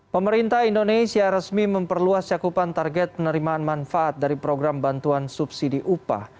pemerintah indonesia resmi memperluas cakupan target penerimaan manfaat dari program bantuan subsidi upah